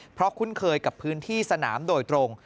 เพราะคุ้นเคยกับพื้นที่สนามโดยตรง